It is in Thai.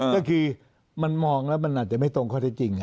ก็คือมันมองแล้วมันอาจจะไม่ตรงข้อเท็จจริง